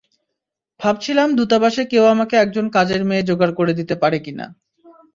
ভাবছিলাম দূতাবাসে কেউ আমাকে একজন কাজের মেয়ে যোগাড় করে দিতে পারে কিনা।